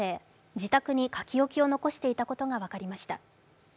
自宅に書き置きを残していたことが分かりました。